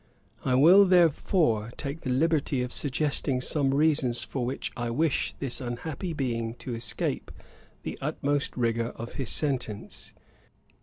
I will, therefore, take the liberty of suggesting some reasons for which I wish this unhappy being to escape the utmost rigour of his sentence.